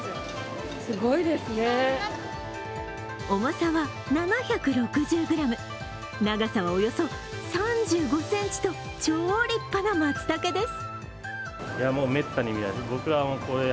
重さは７６０ｇ、長さおよそ３５０ｃｍと超立派なまつたけです。